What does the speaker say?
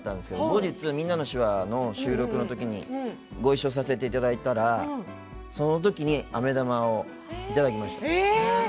後日「みんなの手話」の収録の時にご一緒させていただいたらその時にあめ玉をいただきました。